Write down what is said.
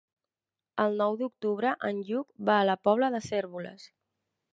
El nou d'octubre en Lluc va a la Pobla de Cérvoles.